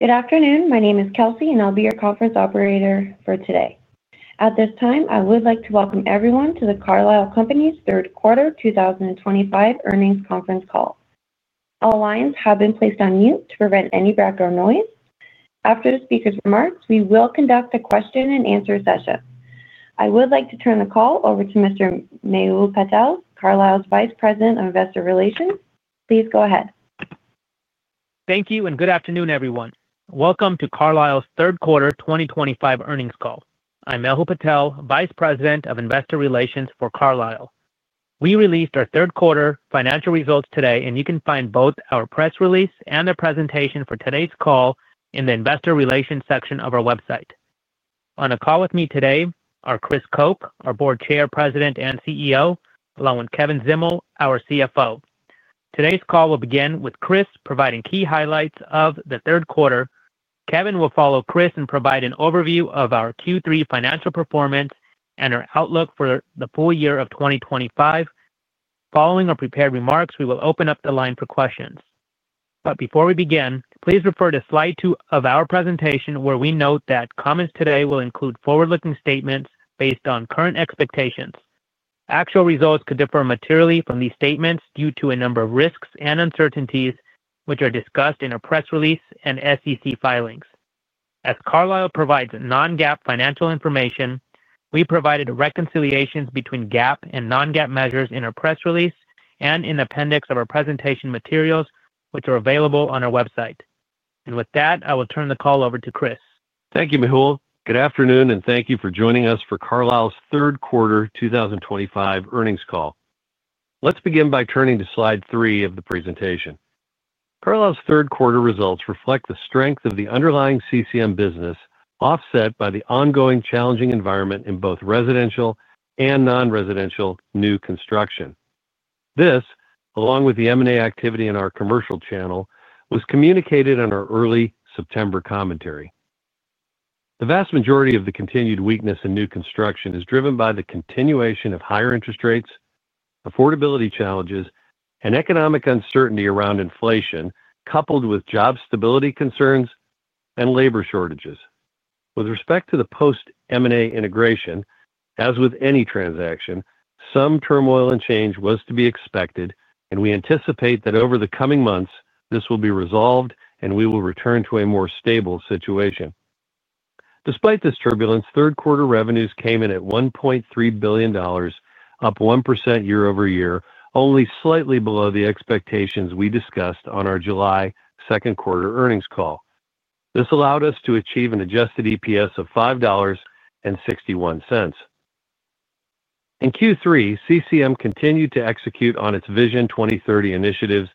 Good afternoon. My name is Kelsey, and I'll be your conference operator for today. At this time, I would like to welcome everyone to the Carlisle Companies Incorporated Quarter 2025 earnings conference call. All lines have been placed on mute to prevent any background noise. After the speaker's remarks, we will conduct a question and answer session. I would like to turn the call over to Mr. Mehul Patel, Carlisle Vice President of Investor Relations. Please go ahead. Thank you, and good afternoon, everyone. Welcome to Carlisle Companies Incorporated's Quarter 2025 earnings call. I'm Mehul Patel, Vice President of Investor Relations for Carlisle. We released our third quarter financial results today, and you can find both our press release and the presentation for today's call in the Investor Relations section of our website. On the call with me today are Chris Koch, our Board Chair, President, and CEO, along with Kevin Zdimal, our CFO. Today's call will begin with Chris providing key highlights of the Q3. Kevin will follow Chris and provide an overview of our Q3 financial performance and our outlook for the full year of 2025. Following our prepared remarks, we will open up the line for questions. Please refer to slide 2 of our presentation where we note that comments today will include forward-looking statements based on current expectations. Actual results could differ materially from these statements due to a number of risks and uncertainties which are discussed in our press release and SEC filings. As Carlisle non-GAAP financial information, we provided reconciliations between GAAP and non-GAAP measures in our press release and in the appendix of our presentation materials which are available on our website. With that, I will turn the call over to Chris. Thank you, Mehul. Good afternoon, and thank you for joining us for Carlisle's third quarter 2025 earnings call. Let's begin by turning to slide 3 of the presentation. Carlisle's Q3 results reflect the strength of the underlying CCM business, offset by the ongoing challenging environment in both residential and non-residential new construction. This, along with the M&A activity in our commercial channel, was communicated in our early September commentary. The vast majority of the continued weakness in new construction is driven by the continuation of higher interest rates, affordability challenges, and economic uncertainty around inflation, coupled with job stability concerns and labor shortages. With respect to the post-M&A integration, as with any transaction, some turmoil and change was to be expected, and we anticipate that over the coming months this will be resolved and we will return to a more stable situation. Despite this turbulence, Q3 revenues came in at $1.3 billion, up 1% year-over-year, only slightly below the expectations we discussed on our July Q2 earnings call. This allowed us to achieve an adjusted EPS of $5.61. In Q3, CCM continued to execute on its Vision 2030 initiatives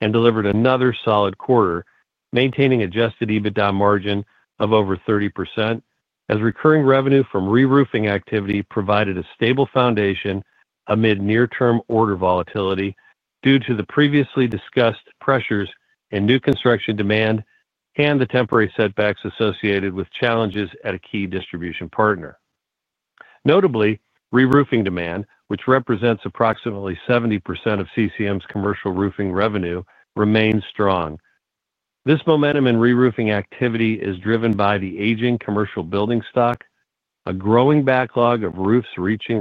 and delivered another solid quarter, maintaining an adjusted EBITDA margin of over 30%, as recurring revenue from reroofing activity provided a stable foundation amid near-term order volatility due to the previously discussed pressures in new construction demand and the temporary setbacks associated with challenges at a key distribution partner. Notably, reroofing demand, which represents approximately 70% of CCM's commercial roofing revenue, remains strong. This momentum in reroofing activity is driven by the aging commercial building stock, a growing backlog of roofs reaching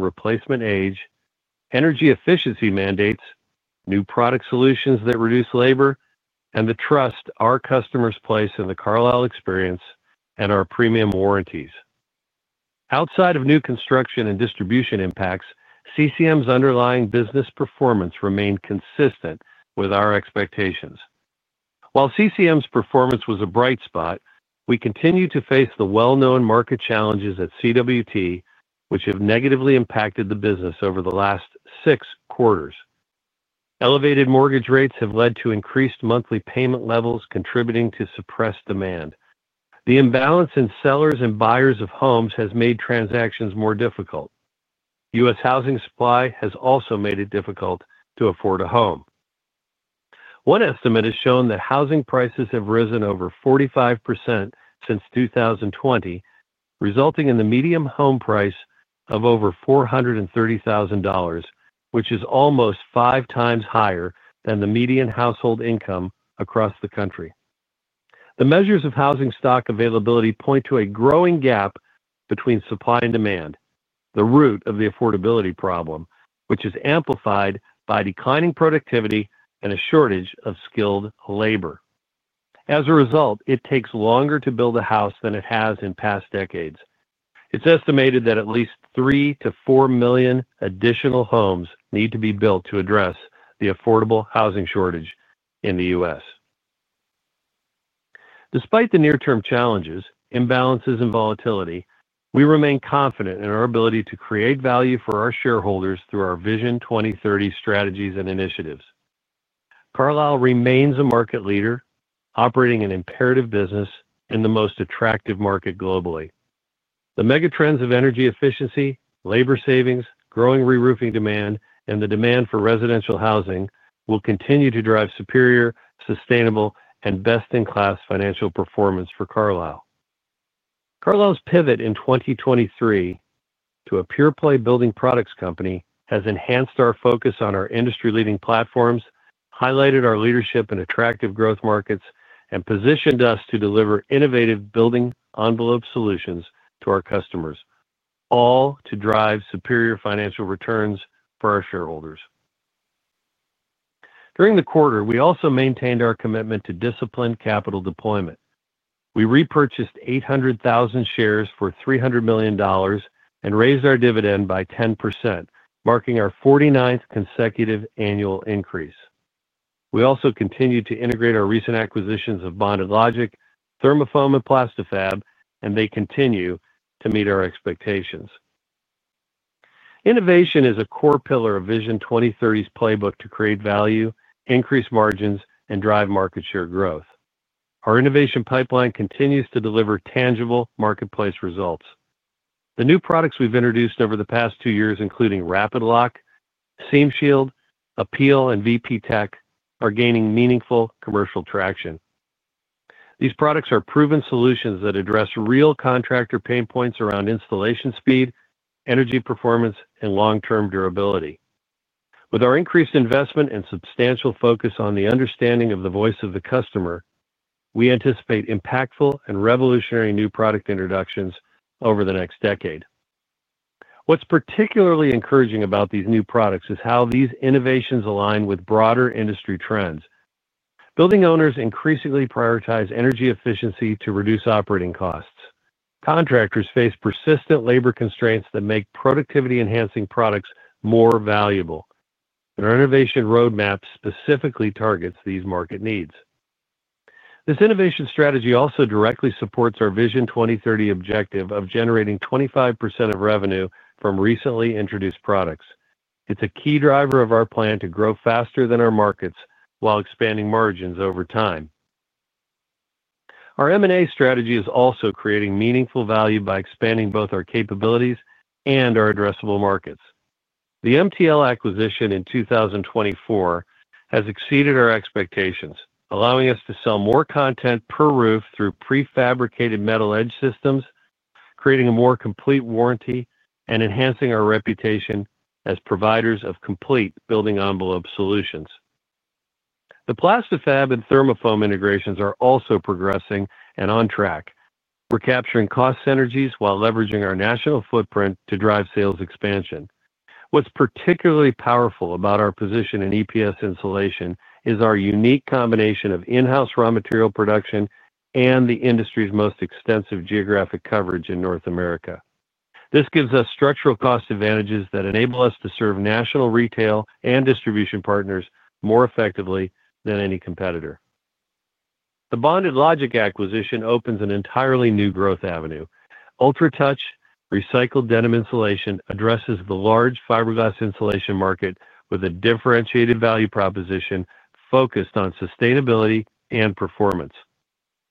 replacement age, energy efficiency mandates, new product solutions that reduce labor, and the trust our customers place in the Carlisle experience and our premium warranties. Outside of new construction and distribution impacts, CCM's underlying business performance remained consistent with our expectations. While CCM's performance was a bright spot, we continue to face the well-known market challenges at CWT, which have negatively impacted the business over the last six quarters. Elevated mortgage rates have led to increased monthly payment levels, contributing to suppressed demand. The imbalance in sellers and buyers of homes has made transactions more difficult. U.S. Housing supply has also made it difficult to afford a home. One estimate has shown that housing prices have risen over 45% since 2020, resulting in the median home price of over $430,000, which is almost five times higher than the median household income across the country. The measures of housing stock availability point to a growing gap between supply and demand, the root of the affordability problem, which is amplified by declining productivity and a shortage of skilled labor. As a result, it takes longer to build a house than it has in past decades. It's estimated that at least 3 to 4 million additional homes need to be built to address the affordable housing shortage in the U.S. Despite the near-term challenges, imbalances, and volatility, we remain confident in our ability to create value for our shareholders through our Vision 2030 strategies and initiatives. Carlisle remains a market leader, operating an imperative business in the most attractive market globally. The megatrends of energy efficiency, labor savings, growing reroofing demand, and the demand for residential housing will continue to drive superior, sustainable, and best-in-class financial performance for Carlisle. Carlisle's pivot in 2023 to a pure-play building products company has enhanced our focus on our industry-leading platforms, highlighted our leadership in attractive growth markets, and positioned us to deliver innovative building envelope solutions to our customers, all to drive superior financial returns for our shareholders. During the quarter, we also maintained our commitment to disciplined capital deployment. We repurchased 800,000 shares for $300 million and raised our dividend by 10%, marking our 49th consecutive annual increase. We also continue to integrate our recent acquisitions of Bonded Logic, Thermafoam, and Plastifab, and they continue to meet our expectations. Innovation is a core pillar of Vision 2030's playbook to create value, increase margins, and drive market share growth. Our innovation pipeline continues to deliver tangible marketplace results. The new products we've introduced over the past two years, including RapidLock, SeamShield, Apeal, and VPTech, are gaining meaningful commercial traction. These products are proven solutions that address real contractor pain points around installation speed, energy performance, and long-term durability. With our increased investment and substantial focus on the understanding of the voice of the customer, we anticipate impactful and revolutionary new product introductions over the next decade. What's particularly encouraging about these new products is how these innovations align with broader industry trends. Building owners increasingly prioritize energy efficiency to reduce operating costs. Contractors face persistent labor constraints that make productivity-enhancing products more valuable. Our innovation roadmap specifically targets these market needs. This innovation strategy also directly supports our Vision 2030 objective of generating 25% of revenue from recently introduced products. It's a key driver of our plan to grow faster than our markets while expanding margins over time. Our M&A strategy is also creating meaningful value by expanding both our capabilities and our addressable markets. The MTL acquisition in 2024 has exceeded our expectations, allowing us to sell more content per roof through prefabricated metal edge systems, creating a more complete warranty and enhancing our reputation as providers of complete building envelope solutions. The Plastifab and Thermafoam integrations are also progressing and on track. We're capturing cost synergies while leveraging our national footprint to drive sales expansion. What's particularly powerful about our position in EPS insulation is our unique combination of in-house raw material production and the industry's most extensive geographic coverage in North America. This gives us structural cost advantages that enable us to serve national retail and distribution partners more effectively than any competitor. The Bonded Logic acquisition opens an entirely new growth avenue. UltraTouch recycled denim insulation addresses the large fiberglass insulation market with a differentiated value proposition focused on sustainability and performance.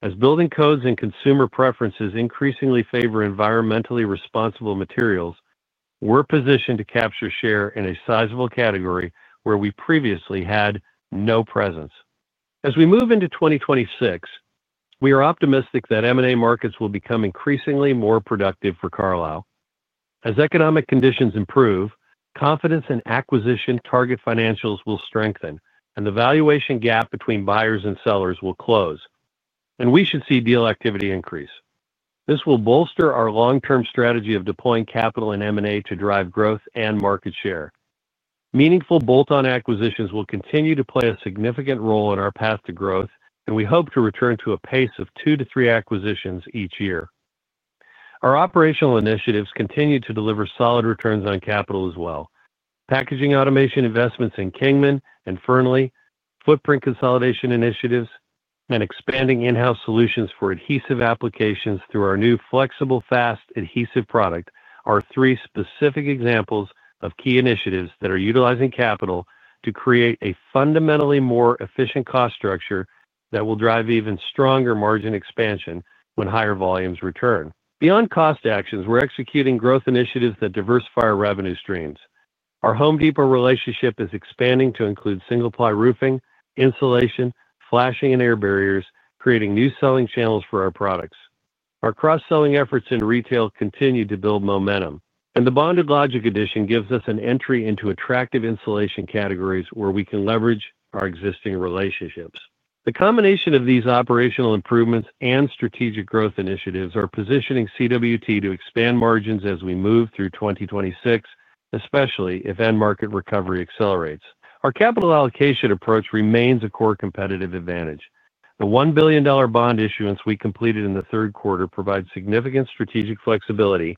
As building codes and consumer preferences increasingly favor environmentally responsible materials, we're positioned to capture share in a sizable category where we previously had no presence. As we move into 2026, we are optimistic that M&A markets will become increasingly more productive for Carlisle. As economic conditions improve, confidence in acquisition target financials will strengthen, and the valuation gap between buyers and sellers will close, and we should see deal activity increase. This will bolster our long-term strategy of deploying capital in M&A to drive growth and market share. Meaningful bolt-on acquisitions will continue to play a significant role in our path to growth, and we hope to return to a pace of two to three acquisitions each year. Our operational initiatives continue to deliver solid returns on capital as well. Packaging automation investments in Kingman and Fernley, footprint consolidation initiatives, and expanding in-house solutions for adhesive applications through our new Flexible Fast Adhesive product are three specific examples of key initiatives that are utilizing capital to create a fundamentally more efficient cost structure that will drive even stronger margin expansion when higher volumes return. Beyond cost actions, we're executing growth initiatives that diversify our revenue streams. Our Home Depot relationship is expanding to include single-ply roofing, insulation, flashing, and air barriers, creating new selling channels for our products. Our cross-selling efforts in retail continue to build momentum, and the Bonded Logic addition gives us an entry into attractive insulation categories where we can leverage our existing relationships. The combination of these operational improvements and strategic growth initiatives are positioning CWT to expand margins as we move through 2026, especially if end market recovery accelerates. Our capital allocation approach remains a core competitive advantage. The $1 billion bond issuance we completed in the third quarter provides significant strategic flexibility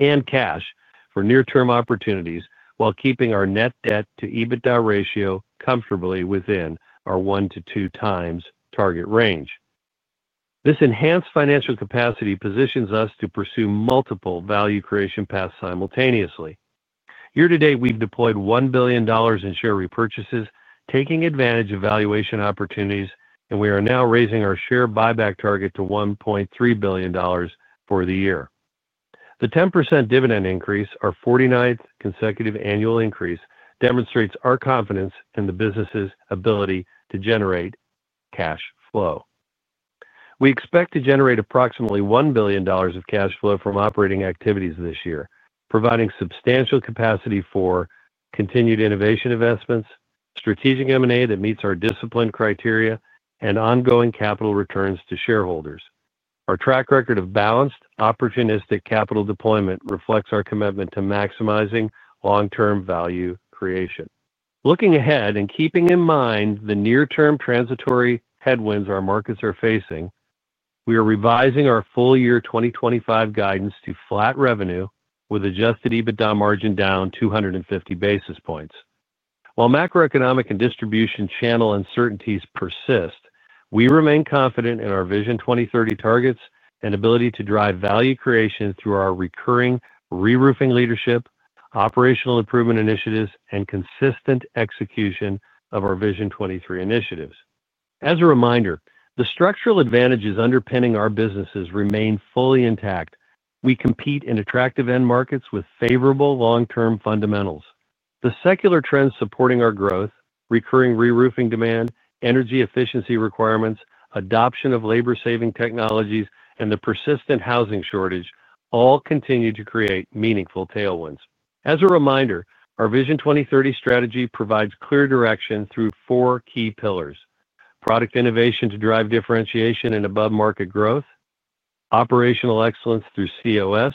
and cash for near-term opportunities while keeping our net debt to EBITDA ratio comfortably within our one to two times target range. This enhanced financial capacity positions us to pursue multiple value creation paths simultaneously. Year to date, we've deployed $1 billion in share repurchases, taking advantage of valuation opportunities, and we are now raising our share buyback target to $1.3 billion for the year. The 10% dividend increase, our 49th consecutive annual increase, demonstrates our confidence in the business's ability to generate cash flow. We expect to generate approximately $1 billion of cash flow from operating activities this year, providing substantial capacity for continued innovation investments, strategic M&A that meets our discipline criteria, and ongoing capital returns to shareholders. Our track record of balanced, opportunistic capital deployment reflects our commitment to maximizing long-term value creation. Looking ahead and keeping in mind the near-term transitory headwinds our markets are facing, we are revising our full-year 2025 guidance to flat revenue with adjusted EBITDA margin down 250 basis points. While macroeconomic and distribution channel uncertainties persist, we remain confident in our Vision 2030 targets and ability to drive value creation through our recurring reroofing leadership, operational improvement initiatives, and consistent execution of our Vision 23 initiatives. As a reminder, the structural advantages underpinning our businesses remain fully intact. We compete in attractive end markets with favorable long-term fundamentals. The secular trends supporting our growth, recurring reroofing demand, energy efficiency requirements, adoption of labor-saving technologies, and the persistent housing shortage all continue to create meaningful tailwinds. As a reminder, our Vision 2030 strategy provides clear direction through four key pillars: product innovation to drive differentiation and above-market growth, operational excellence through COS,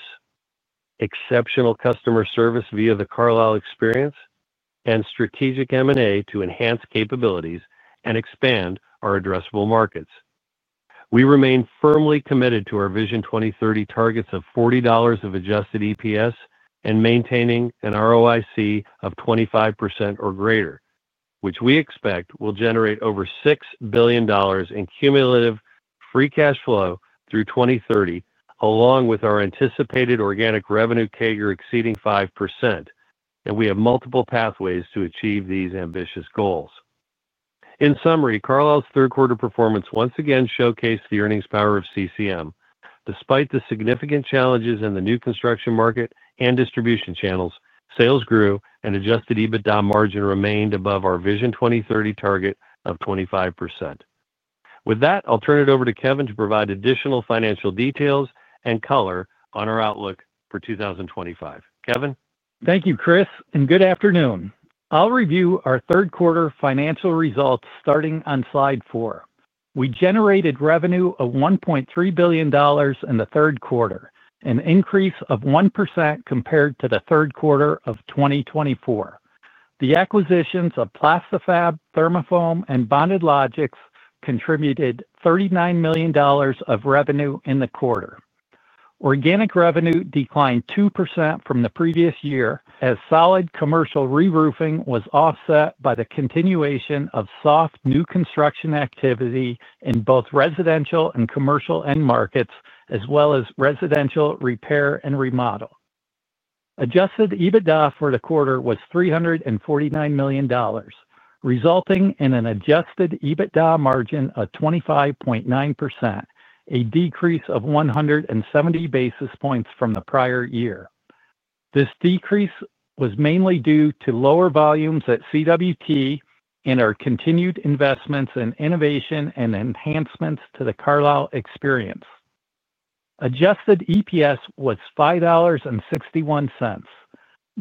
exceptional customer service via the Carlisle experience, and strategic M&A to enhance capabilities and expand our addressable markets. We remain firmly committed to our Vision 2030 targets of $40 of adjusted EPS and maintaining an ROIC of 25% or greater, which we expect will generate over $6 billion in cumulative free cash flow through 2030, along with our anticipated organic revenue CAGR exceeding 5%, and we have multiple pathways to achieve these ambitious goals. In summary, Carlisle's Q3 performance once again showcased the earnings power of CCM. Despite the significant challenges in the new construction market and distribution channels, sales grew, and adjusted EBITDA margin remained above our Vision 2030 target of 25%. With that, I'll turn it over to Kevin to provide additional financial details and color on our outlook for 2025. Kevin? Thank you, Chris, and good afternoon. I'll review our Q3 financial results starting on slide 4. We generated revenue of $1.3 billion in the third quarter, an increase of 1% compared to the third quarter of 2024. The acquisitions of Plastifab, Thermafoam, and Bonded Logic contributed $39 million of revenue in the quarter. Organic revenue declined 2% from the previous year as solid commercial reroofing was offset by the continuation of soft new construction activity in both residential and commercial end markets, as well as residential repair and remodel. Adjusted EBITDA for the quarter was $349 million, resulting in an adjusted EBITDA margin of 25.9%, a decrease of 170 basis points from the prior year. This decrease was mainly due to lower volumes at CWT and our continued investments in innovation and enhancements to the Carlisle experience. Adjusted EPS was $5.61,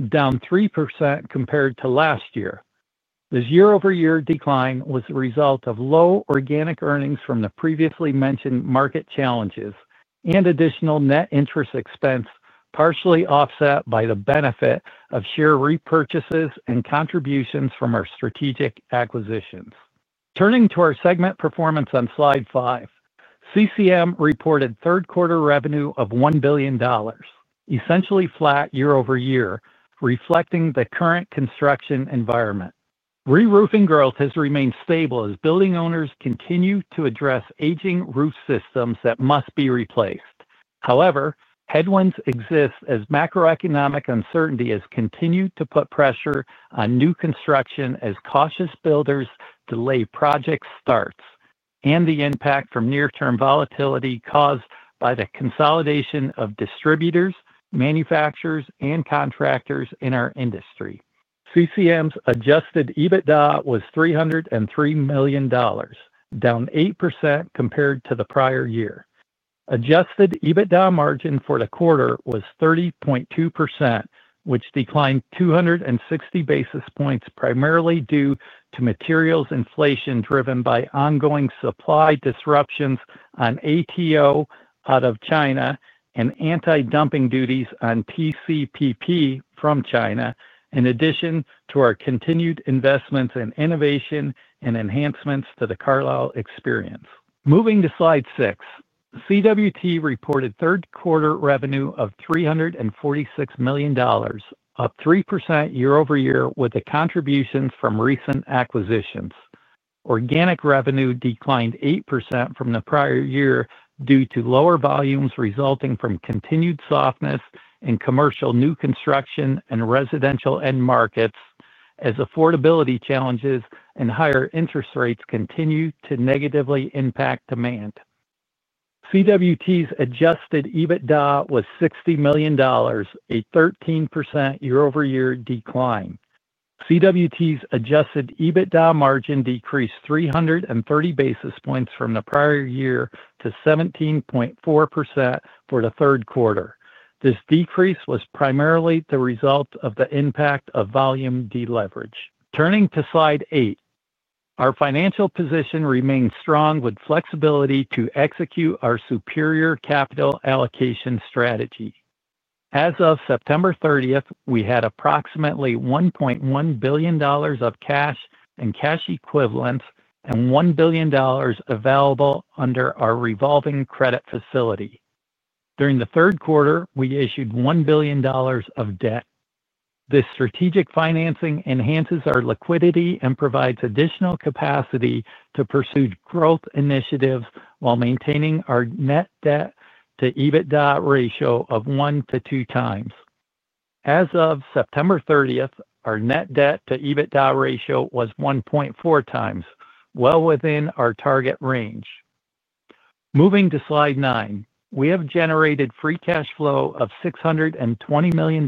down 3% compared to last year. This year-over-year decline was the result of low organic earnings from the previously mentioned market challenges and additional net interest expense partially offset by the benefit of share repurchases and contributions from our strategic acquisitions. Turning to our segment performance on slide 5, CCM reported Q3 revenue of $1 billion, essentially flat year-over-year, reflecting the current construction environment. Reroofing growth has remained stable as building owners continue to address aging roof systems that must be replaced. However, headwinds exist as macroeconomic uncertainty has continued to put pressure on new construction as cautious builders delay project starts and the impact from near-term volatility caused by the consolidation of distributors, manufacturers, and contractors in our industry. CCM's adjusted EBITDA was $303 million, down 8% compared to the prior year. Adjusted EBITDA margin for the quarter was 30.2%, which declined 260 basis points primarily due to materials inflation driven by ongoing supply disruptions on ATO out of China and anti-dumping duties on PCPP from China, in addition to our continued investments in innovation and enhancements to the Carlisle experience. Moving to slide 6, CWT reported Q3 revenue of $346 million, up 3% year-over-year with the contributions from recent acquisitions. Organic revenue declined 8% from the prior year due to lower volumes resulting from continued softness in commercial new construction and residential end markets, as affordability challenges and higher interest rates continue to negatively impact demand. CWT's adjusted EBITDA was $60 million, a 13% year-over-year decline. CWT's adjusted EBITDA margin decreased 330 basis points from the prior year to 17.4% for the third quarter. This decrease was primarily the result of the impact of volume deleverage. Turning to slide 8, our financial position remains strong with flexibility to execute our superior capital allocation strategy. As of September 30, we had approximately $1.1 billion of cash and cash equivalents and $1 billion available under our revolving credit facility. During the third quarter, we issued $1 billion of debt. This strategic financing enhances our liquidity and provides additional capacity to pursue growth initiatives while maintaining our net debt to EBITDA ratio of 1 to 2 times. As of September 30, our net debt to EBITDA ratio was 1.4 times, well within our target range. Moving to slide 9, we have generated free cash flow of $620 million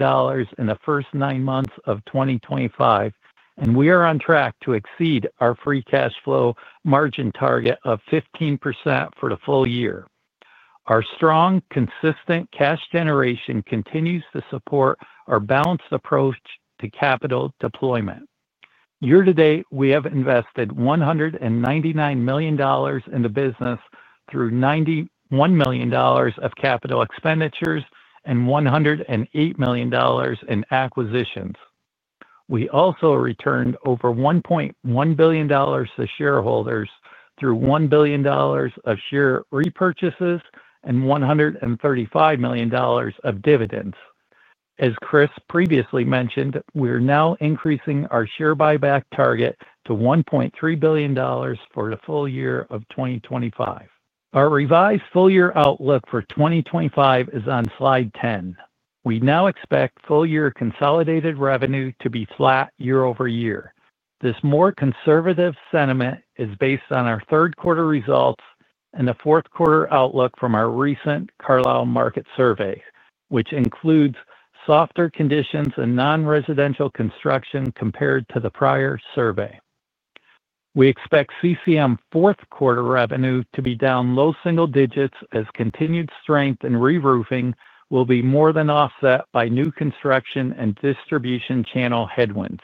in the first nine months of 2025, and we are on track to exceed our free cash flow margin target of 15% for the full year. Our strong, consistent cash generation continues to support our balanced approach to capital deployment. Year to date, we have invested $199 million in the business through $91 million of capital expenditures and $108 million in acquisitions. We also returned over $1.1 billion to shareholders through $1 billion of share repurchases and $135 million of dividends. As Chris Koch previously mentioned, we are now increasing our share buyback target to $1.3 billion for the full year of 2025. Our revised full-year outlook for 2025 is on slide 10. We now expect full-year consolidated revenue to be flat year-over-year. This more conservative sentiment is based on our third quarter results and the fourth quarter outlook from our recent Carlisle market survey, which includes softer conditions in non-residential construction compared to the prior survey. We expect CCM's fourth quarter revenue to be down low single digits as continued strength in reroofing will be more than offset by new construction and distribution channel headwinds.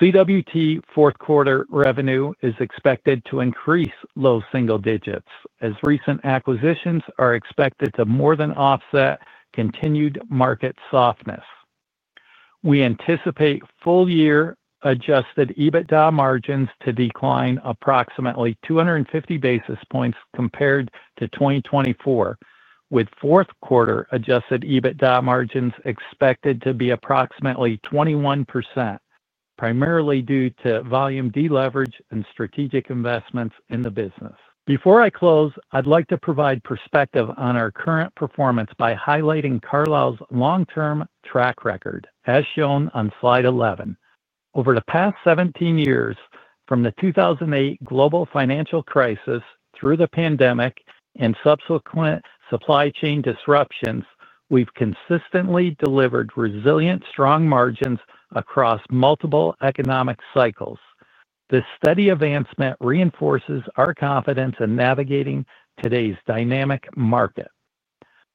CWT's fourth quarter revenue is expected to increase low single digits as recent acquisitions are expected to more than offset continued market softness. We anticipate full-year adjusted EBITDA margins to decline approximately 250 basis points compared to 2024, with fourth quarter adjusted EBITDA margins expected to be approximately 21%, primarily due to volume deleverage and strategic investments in the business. Before I close, I'd like to provide perspective on our current performance by highlighting Carlisle's long-term track record, as shown on slide 11. Over the past 17 years, from the 2008 global financial crisis through the pandemic and subsequent supply chain disruptions, we've consistently delivered resilient, strong margins across multiple economic cycles. This steady advancement reinforces our confidence in navigating today's dynamic market.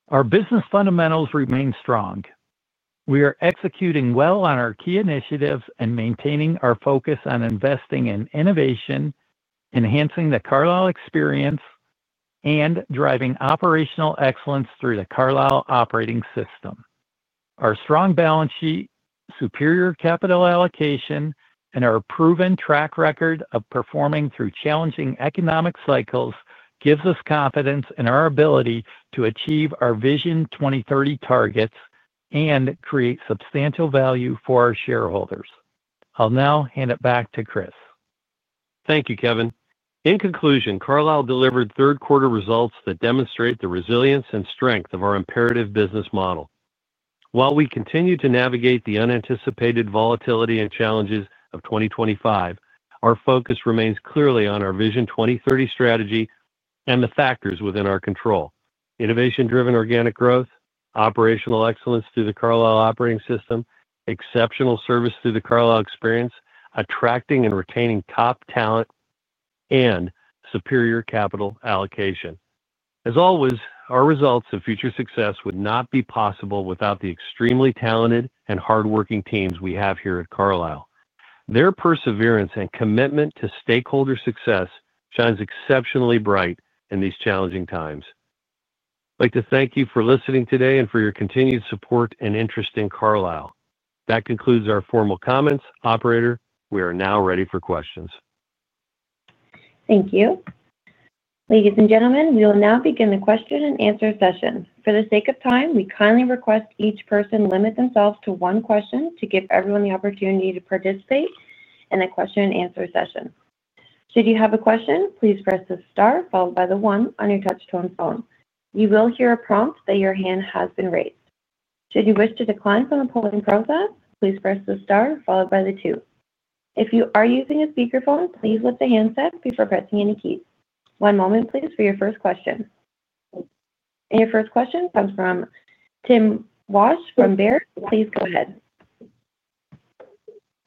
Our business fundamentals remain strong. We are executing well on our key initiatives and maintaining our focus on investing in innovation, enhancing the Carlisle experience, and driving operational excellence through the Carlisle operating system. Our strong balance sheet, superior capital allocation, and our proven track record of performing through challenging economic cycles give us confidence in our ability to achieve our Vision 2030 targets and create substantial value for our shareholders. I'll now hand it back to Chris. Thank you, Kevin. In conclusion, Carlisle delivered third-quarter results that demonstrate the resilience and strength of our imperative business model. While we continue to navigate the unanticipated volatility and challenges of 2025, our focus remains clearly on our Vision 2030 strategy and the factors within our control: innovation-driven organic growth, operational excellence through the Carlisle operating system, exceptional service through the Carlisle experience, attracting and retaining top talent, and superior capital allocation. As always, our results and future success would not be possible without the extremely talented and hardworking teams we have here at Carlisle. Their perseverance and commitment to stakeholder success shine exceptionally bright in these challenging times. I'd like to thank you for listening today and for your continued support and interest in Carlisle. That concludes our formal comments, operator. We are now ready for questions. Thank you. Ladies and gentlemen, we will now begin the question and answer session. For the sake of time, we kindly request each person limit themselves to one question to give everyone the opportunity to participate in a question and answer session. Should you have a question, please press the star followed by the one on your touch-tone phone. You will hear a prompt that your hand has been raised. Should you wish to decline from the polling process, please press the star followed by the two. If you are using a speakerphone, please lift the handset before pressing any keys. One moment, please, for your first question. Your first question comes from Tim Wojs from Baird. Please go ahead.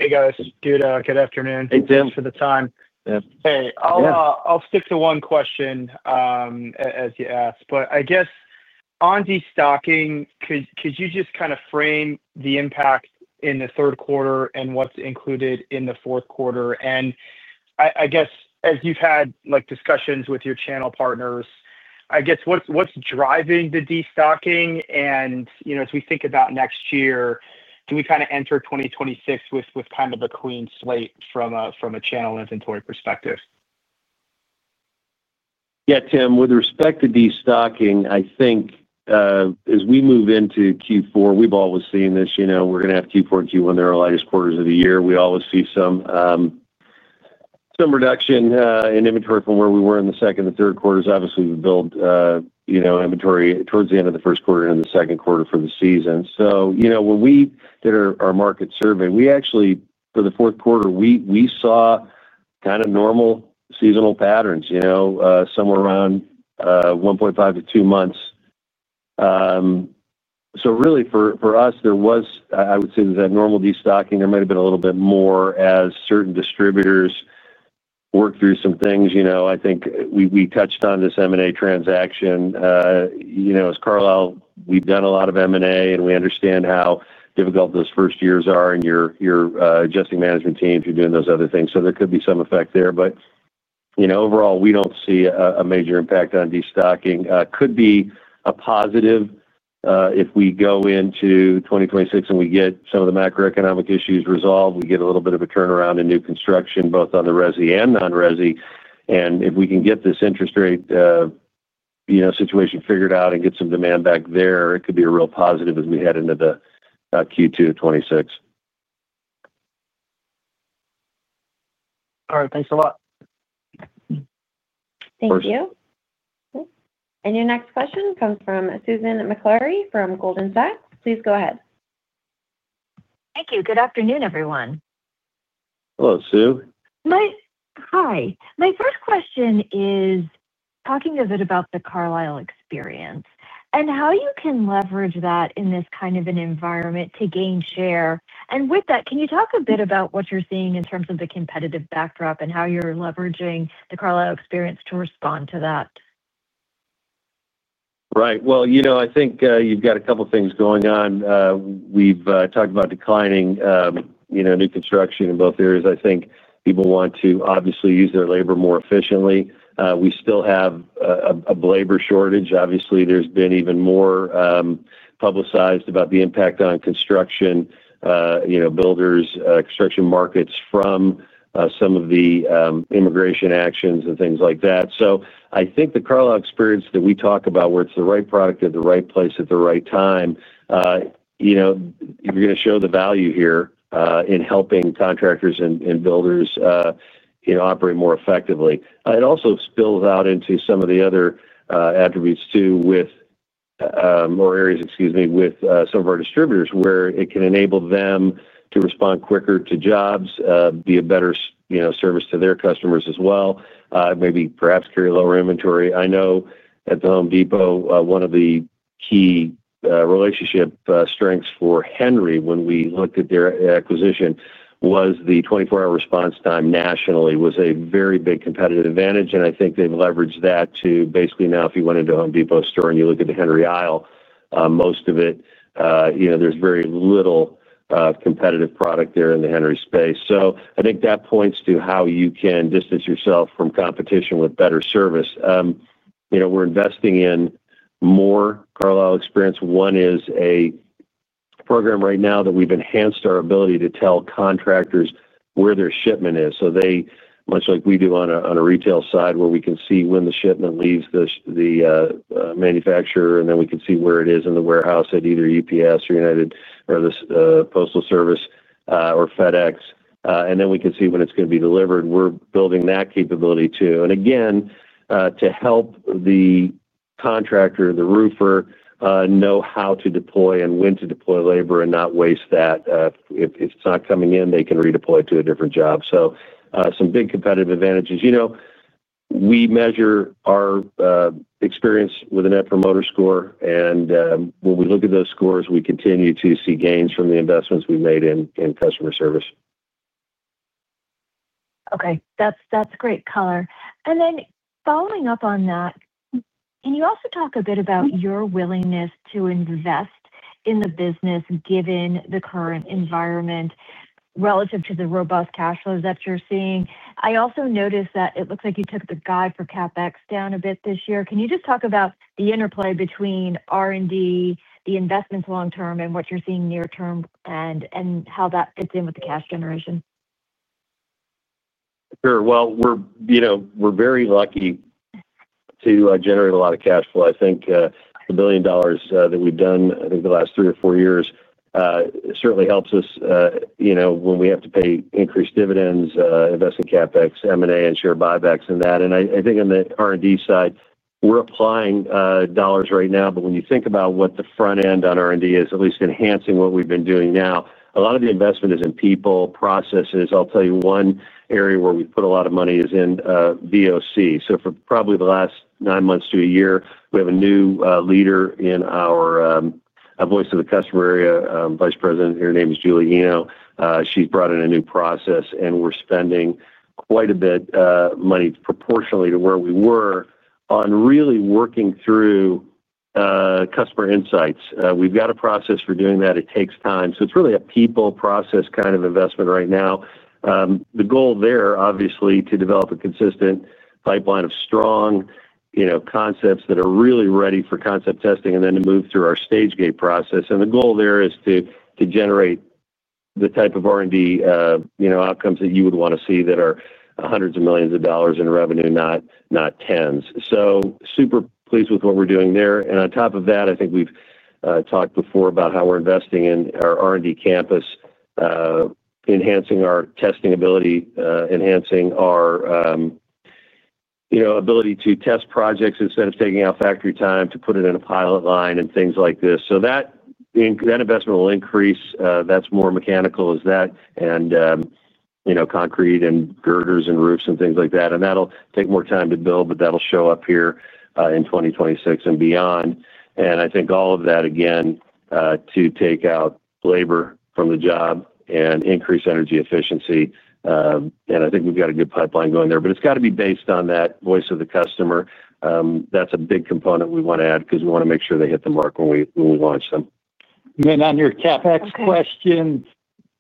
Hey, guys. Good afternoon. Hey, Tim. Thanks for the time. Yeah. Hey, I'll stick to one question, as you asked. On destocking, could you just kind of frame the impact in the third quarter and what's included in the fourth quarter? As you've had discussions with your channel partners, what's driving the destocking? As we think about next year, do we enter 2026 with kind of a clean slate from a channel inventory perspective? Yeah, Tim, with respect to destocking, I think as we move into Q4, we've always seen this. You know we're going to have Q4 and Q1. They're our lightest quarters of the year. We always see some reduction in inventory from where we were in the second and third quarters. Obviously, we build inventory towards the end of the first quarter and the second quarter for the season. When we did our market survey, we actually, for the fourth quarter, saw kind of normal seasonal patterns, somewhere around 1.5 to 2 months. Really, for us, there was, I would say, that normal destocking. There might have been a little bit more as certain distributors worked through some things. I think we touched on this M&A transaction. As Carlisle, we've done a lot of M&A, and we understand how difficult those first years are. You're adjusting management teams. You're doing those other things. There could be some effect there. Overall, we don't see a major impact on destocking. It could be a positive if we go into 2026 and we get some of the macroeconomic issues resolved, we get a little bit of a turnaround in new construction, both on the resi and non-resi. If we can get this interest rate situation figured out and get some demand back there, it could be a real positive as we head into Q2 of 2026. All right, thanks a lot. Thank you. Your next question comes from Susan Maklari from Goldman Sachs. Please go ahead. Thank you. Good afternoon, everyone. Hello, Sue. Hi. My first question is talking a bit about the Carlisle experience and how you can leverage that in this kind of an environment to gain share. With that, can you talk a bit about what you're seeing in terms of the competitive backdrop and how you're leveraging the Carlisle experience to respond to that? Right. I think you've got a couple of things going on. We've talked about declining new construction in both areas. I think people want to obviously use their labor more efficiently. We still have a labor shortage. Obviously, there's been even more publicized about the impact on construction, builders, construction markets from some of the immigration actions and things like that. I think the Carlisle experience that we talk about, where it's the right product at the right place at the right time, you're going to show the value here in helping contractors and builders operate more effectively. It also spills out into some of the other attributes too, or areas, excuse me, with some of our distributors where it can enable them to respond quicker to jobs, be a better service to their customers as well, maybe perhaps carry lower inventory. I know at The Home Depot, one of the key relationship strengths for Henry when we looked at their acquisition was the 24-hour response time nationally. It was a very big competitive advantage. I think they've leveraged that to basically now, if you went into a Home Depot store and you look at the Henry aisle, most of it, there's very little competitive product there in the Henry space. I think that points to how you can distance yourself from competition with better service. We're investing in more Carlisle experience. One is a program right now that we've enhanced our ability to tell contractors where their shipment is. Much like we do on a retail side where we can see when the shipment leaves the manufacturer, and then we can see where it is in the warehouse at either UPS or United or the Postal Service or FedEx. Then we can see when it's going to be delivered. We're building that capability too. Again, to help the contractor, the roofer, know how to deploy and when to deploy labor and not waste that. If it's not coming in, they can redeploy to a different job. Some big competitive advantages. We measure our experience with the Net Promoter Score, and when we look at those scores, we continue to see gains from the investments we've made in customer service. Okay. That's great color. Following up on that, can you also talk a bit about your willingness to invest in the business given the current environment relative to the robust cash flows that you're seeing? I also noticed that it looks like you took the guide for CapEx down a bit this year. Can you just talk about the interplay between R&D, the investments long term, and what you're seeing near term and how that fits in with the cash generation? Sure. We're very lucky to generate a lot of cash flow. I think the $1 billion that we've done, I think the last three or four years, certainly helps us when we have to pay increased dividends, invest in CapEx, M&A, and share buybacks and that. I think on the R&D side, we're applying dollars right now. When you think about what the front end on R&D is, at least enhancing what we've been doing now, a lot of the investment is in people, processes. I'll tell you one area where we've put a lot of money is in VOC. For probably the last nine months to a year, we have a new leader in our Voice of the Customer area, Vice President. Her name is Julie Eno. She's brought in a new process, and we're spending quite a bit of money proportionately to where we were on really working through customer insights. We've got a process for doing that. It takes time. It's really a people process kind of investment right now. The goal there, obviously, is to develop a consistent pipeline of strong concepts that are really ready for concept testing and then to move through our stage gate process. The goal there is to generate the type of R&D outcomes that you would want to see that are hundreds of millions of dollars in revenue, not tens. Super pleased with what we're doing there. I think we've talked before about how we're investing in our R&D campus, enhancing our testing ability, enhancing our ability to test projects instead of taking out factory time to put it in a pilot line and things like this. That investment will increase. That's more mechanical, and concrete and girders and roofs and things like that. That'll take more time to build, but that'll show up here in 2026 and beyond. I think all of that, again, to take out labor from the job and increase energy efficiency. I think we've got a good pipeline going there. It's got to be based on that voice of the customer. That's a big component we want to add because we want to make sure they hit the mark when we launch them. On your CapEx question,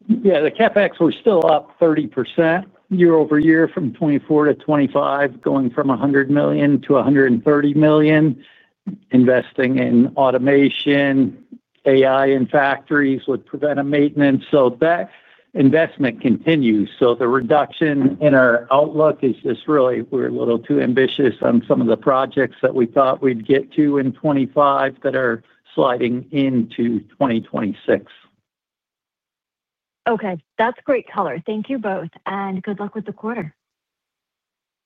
yeah, the CapEx, we're still up 30% year over year from 2024 to 2025, going from $100 million to $130 million. Investing in automation, AI in factories with preventive maintenance. That investment continues. The reduction in our outlook is just really, we were a little too ambitious on some of the projects that we thought we'd get to in 2025 that are sliding into 2026. Okay. That's great color. Thank you both, and good luck with the quarter.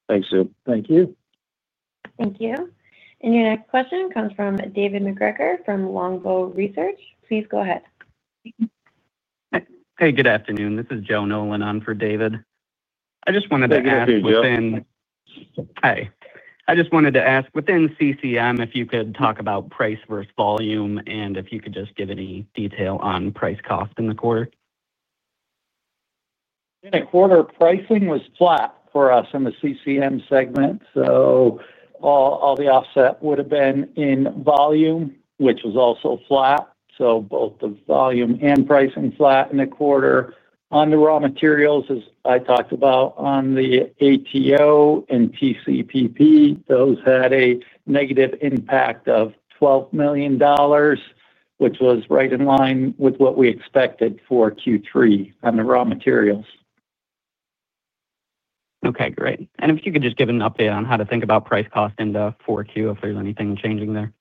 Thanks, Sue. Thank you. Thank you. Your next question comes from David MacGregor from Longbow Research. Please go ahead. Hey, good afternoon. This is Joe Nolan on for David. I just wanted to ask within. Hey, good afternoon. Hi. I just wanted to ask within CCM if you could talk about price versus volume and if you could just give any detail on price cost in the quarter. In a quarter, pricing was flat for us in the CCM segment. All the offset would have been in volume, which was also flat. Both the volume and pricing were flat in the quarter. On the raw materials, as I talked about on the ATO and PCPP, those had a negative impact of $12 million, which was right in line with what we expected for Q3 on the raw materials. Okay. Great. If you could just give an update on how to think about price cost into Q4, if there's anything changing there.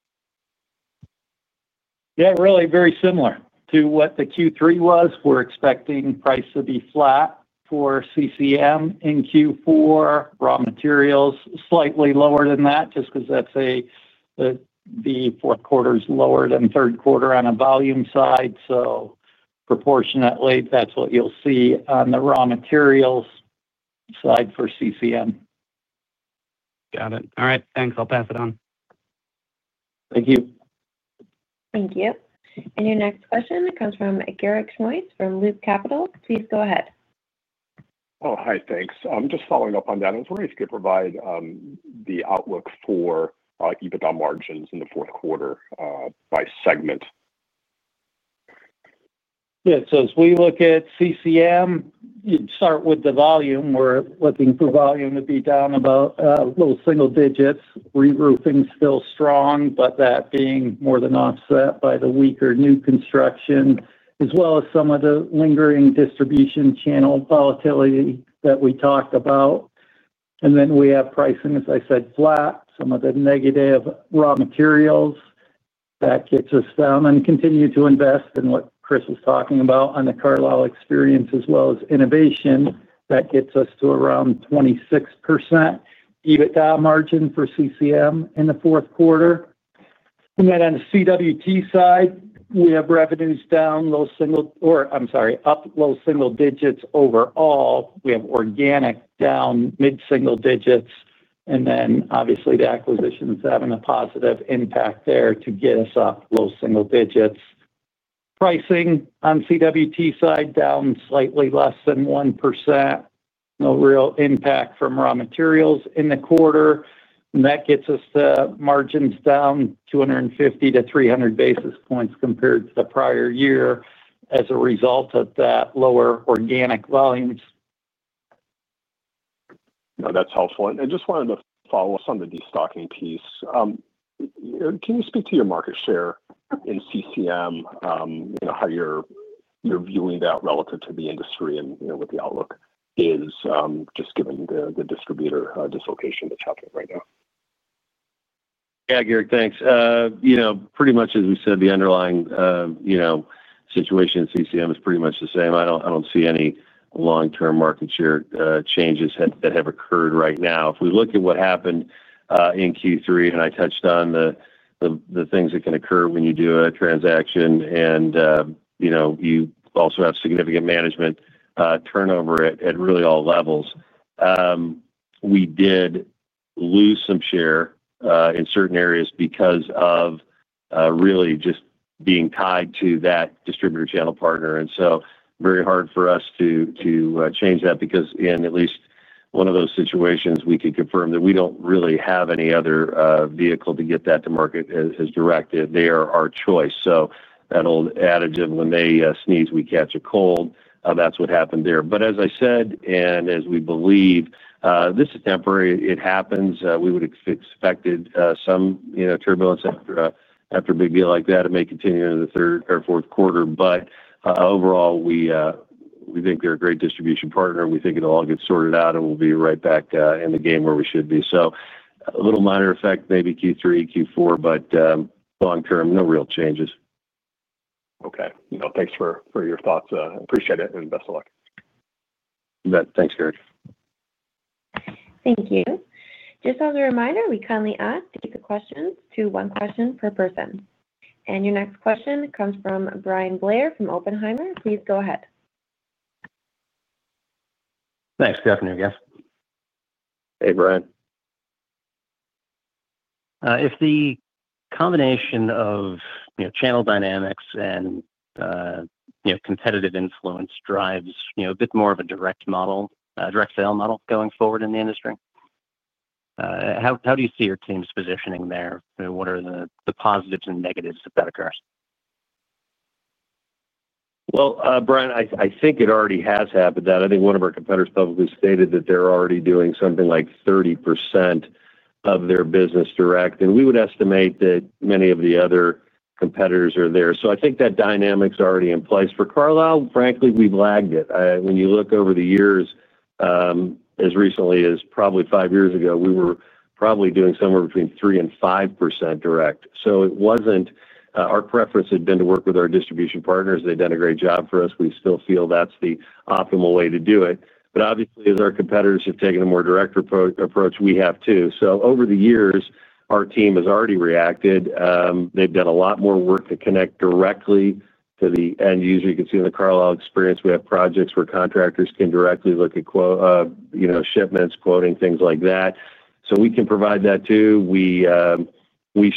Yeah, really very similar to what the Q3 was. We're expecting price to be flat for CCM in Q4. Raw materials, slightly lower than that just because the fourth quarter is lower than third quarter on a volume side. Proportionately, that's what you'll see on the raw materials side for CCM. Got it. All right, thanks. I'll pass it on. Thank you. Thank you. Your next question comes from Garik Shmois from Loop Capital. Please go ahead. Oh, hi. Thanks. I'm just following up on that. I was wondering if you could provide the outlook for EBITDA margins in the fourth quarter by segment. Yeah. As we look at CCM, you'd start with the volume. We're looking for volume to be down about low single digits. Reroofing is still strong, that being more than offset by the weaker new construction, as well as some of the lingering distribution channel volatility that we talked about. We have pricing, as I said, flat. Some of the negative raw materials gets us down and continue to invest in what Chris was talking about on the Carlisle experience, as well as innovation that gets us to around 26% adjusted EBITDA margin for CCM in the fourth quarter. On the CWT side, we have revenues up low single digits overall. We have organic down mid-single digits. Obviously, the acquisitions having a positive impact there to get us up low single digits. Pricing on the CWT side down slightly less than 1%. No real impact from raw materials in the quarter. That gets us to margins down 250 to 300 basis points compared to the prior year as a result of that lower organic volumes. No, that's helpful. I just wanted to follow up on the destocking piece. Can you speak to your market share in CCM, how you're viewing that relative to the industry, and what the outlook is given the distributor dislocation that's happening right now? Yeah, Garik, thanks. Pretty much, as we said, the underlying situation in CCM is pretty much the same. I don't see any long-term market share changes that have occurred right now. If we look at what happened in Q3, and I touched on the things that can occur when you do a transaction, you also have significant management turnover at really all levels. We did lose some share in certain areas because of really just being tied to that distributor channel partner. It is very hard for us to change that because in at least one of those situations, we can confirm that we don't really have any other vehicle to get that to market as directed. They are our choice. That old adage of when they sneeze, we catch a cold, that's what happened there. As I said, and as we believe, this is temporary. It happens. We would have expected some turbulence after a big deal like that. It may continue into the third or fourth quarter. Overall, we think they're a great distribution partner. We think it'll all get sorted out, and we'll be right back in the game where we should be. A little minor effect maybe Q3, Q4, but long-term, no real changes. Okay. No, thanks for your thoughts. I appreciate it and best of luck. Thanks, Garic. Thank you. Just as a reminder, we kindly ask to take the questions to one question per person. Your next question comes from Bryan Blair from Oppenheimer. Please go ahead. Thanks. Good afternoon, guys. Hey, Brian. If the combination of channel dynamics and competitive influence drives a bit more of a direct model, a direct sale model going forward in the industry, how do you see your team's positioning there? What are the positives and negatives if that occurs? Brian, I think it already has happened. I think one of our competitors publicly stated that they're already doing something like 30% of their business direct. We would estimate that many of the other competitors are there. I think that dynamic is already in place. For Carlisle, frankly, we've lagged it. When you look over the years, as recently as probably five years ago, we were probably doing somewhere between 3% and 5% direct. It wasn't our preference; we had been to work with our distribution partners. They've done a great job for us. We still feel that's the optimal way to do it. Obviously, as our competitors have taken a more direct approach, we have too. Over the years, our team has already reacted. They've done a lot more work to connect directly to the end user. You can see in the Carlisle experience, we have projects where contractors can directly look at shipments, quoting, things like that. We can provide that too. We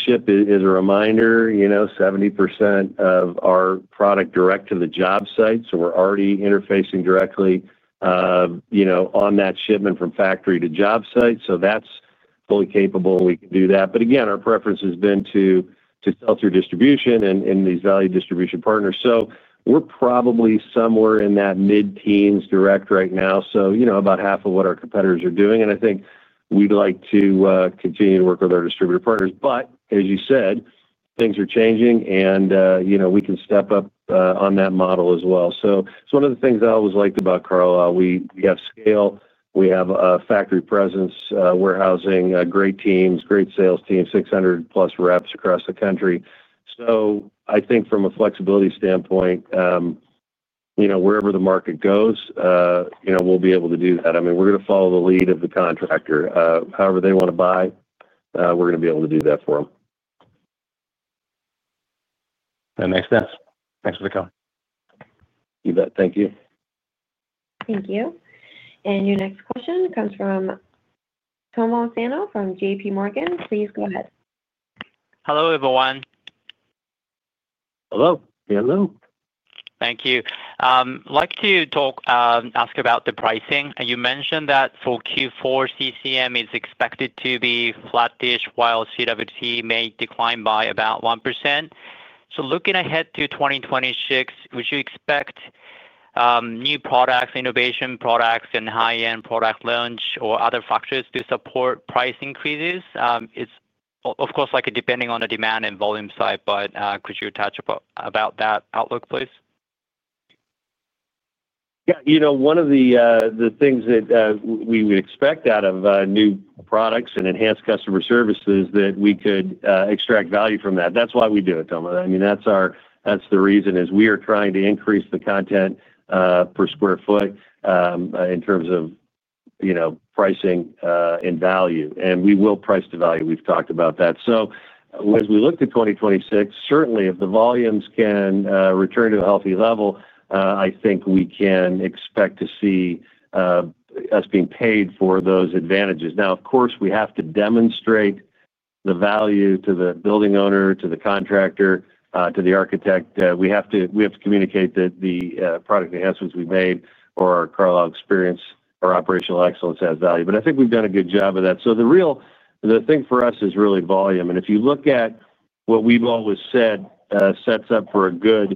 ship, as a reminder, 70% of our product direct to the job site. We're already interfacing directly on that shipment from factory to job site. That's fully capable. We can do that. Again, our preference has been to sell through distribution and these value distribution partners. We're probably somewhere in that mid-teens direct right now, about half of what our competitors are doing. I think we'd like to continue to work with our distributor partners. As you said, things are changing, and we can step up on that model as well. It's one of the things I always like about Carlisle. We have scale. We have a factory presence, warehousing, great teams, great sales teams, 600-plus reps across the country. I think from a flexibility standpoint, wherever the market goes, we'll be able to do that. I mean, we're going to follow the lead of the contractor. However they want to buy, we're going to be able to do that for them. That makes sense. Thanks for the call. You bet. Thank you. Thank you. Your next question comes from Tomohiko Sano from JPMorgan. Please go ahead. Hello, everyone. Hello. Hello. Thank you. I'd like to ask about the pricing. You mentioned that for Q4, CCM is expected to be flattish while CWT may decline by about 1%. Looking ahead to 2026, would you expect new products, innovation products, and high-end product launch or other factors to support price increases? It's, of course, depending on the demand and volume side, but could you touch about that outlook, please? Yeah. One of the things that we would expect out of new products and enhanced customer service is that we could extract value from that. That's why we do it, Tomo. That's the reason, we are trying to increase the content per square foot in terms of pricing and value. We will price to value. We've talked about that. As we look to 2026, certainly, if the volumes can return to a healthy level, I think we can expect to see us being paid for those advantages. Of course, we have to demonstrate the value to the building owner, to the contractor, to the architect. We have to communicate that the product enhancements we've made or our Carlisle experience, our operational excellence has value. I think we've done a good job of that. The thing for us is really volume. If you look at what we've always said sets up for a good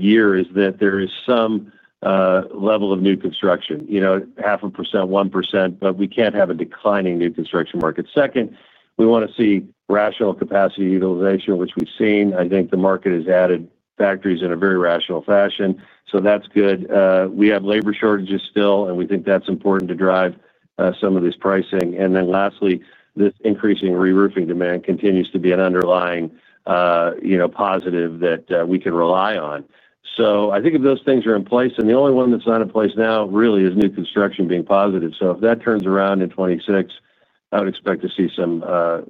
year, there is some level of new construction, you know, 0.5%, 1%, but we can't have a declining new construction market. Second, we want to see rational capacity utilization, which we've seen. I think the market has added factories in a very rational fashion. That's good. We have labor shortages still, and we think that's important to drive some of this pricing. Lastly, this increasing reroofing demand continues to be an underlying positive that we can rely on. I think if those things are in place, and the only one that's not in place now really is new construction being positive. If that turns around in 2026, I would expect to see some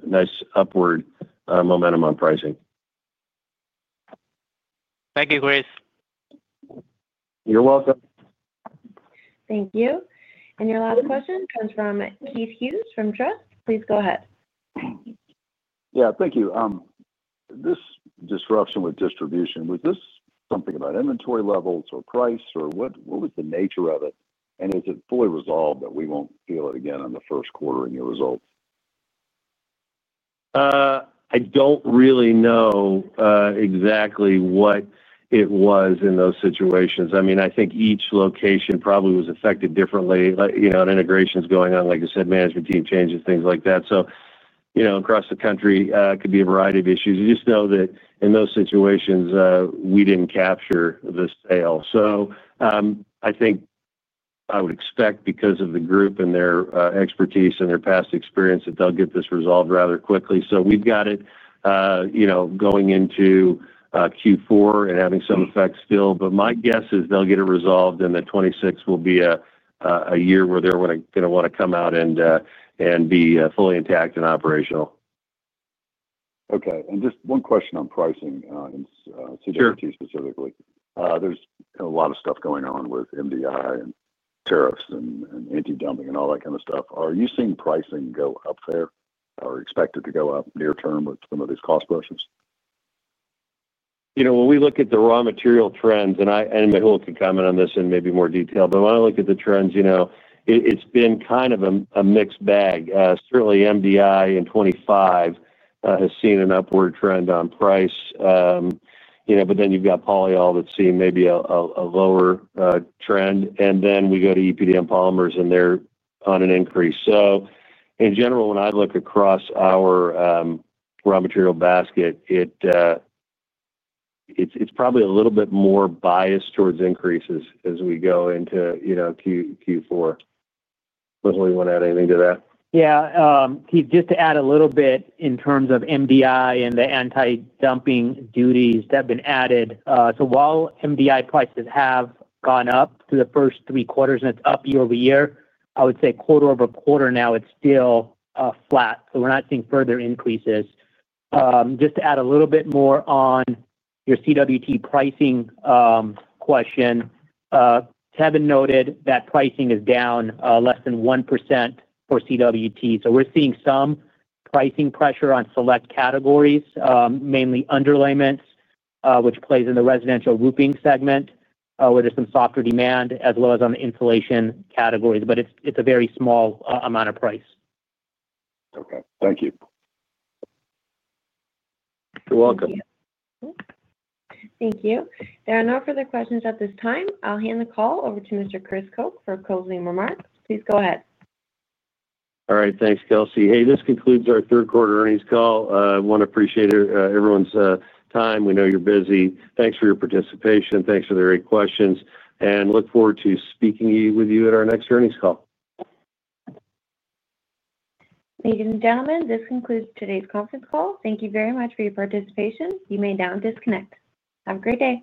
nice upward momentum on pricing. Thank you, Chris. You're welcome. Thank you. Your last question comes from Keith Hughes from Truist. Please go ahead. Yeah, thank you. This disruption with distribution, was this something about inventory levels or price, or what was the nature of it? Is it fully resolved that we won't feel it again on the first quarter in your results? I don't really know exactly what it was in those situations. I think each location probably was affected differently. You know, an integration is going on. Like I said, management team changes, things like that. Across the country, it could be a variety of issues. You just know that in those situations, we didn't capture the sale. I think I would expect because of the group and their expertise and their past experience that they'll get this resolved rather quickly. We've got it going into Q4 and having some effects still. My guess is they'll get it resolved and that 2026 will be a year where they're going to want to come out and be fully intact and operational. Okay. Just one question on pricing in CWT specifically. There's a lot of stuff going on with MDI and tariffs and anti-dumping and all that kind of stuff. Are you seeing pricing go up there or expect it to go up near term with some of these cost pressures? When we look at the raw material trends, and I, and who can comment on this in maybe more detail, but when I look at the trends, you know, it's been kind of a mixed bag. Certainly, MDI in 2025 has seen an upward trend on price. You know, but then you've got polyol that's seen maybe a lower trend. We go to EPDM polymers and they're on an increase. In general, when I look across our raw material basket, it's probably a little bit more biased towards increases as we go into, you know, Q4. Do we want to add anything to that? Yeah. Keith, just to add a little bit in terms of MDI and the anti-dumping duties that have been added. While MDI prices have gone up through the first three quarters and it's up year over year, I would say quarter over quarter now it's still flat. We're not seeing further increases. Just to add a little bit more on your CWT pricing question, Kevin noted that pricing is down less than 1% for CWT. We're seeing some pricing pressure on select categories, mainly underlayments, which plays in the residential roofing segment where there's some softer demand as well as on the insulation categories. It's a very small amount of price. Okay. Thank you. You're welcome. Thank you. There are no further questions at this time. I'll hand the call over to Mr. Chris Koch for closing remarks. Please go ahead. All right. Thanks, Kelsey. This concludes our third quarter earnings call. I want to appreciate everyone's time. We know you're busy. Thanks for your participation, thanks for the great questions. I look forward to speaking with you at our next earnings call. Ladies and gentlemen, this concludes today's conference call. Thank you very much for your participation. You may now disconnect. Have a great day.